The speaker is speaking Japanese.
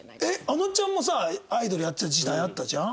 あのちゃんもさアイドルやってた時代あったじゃん？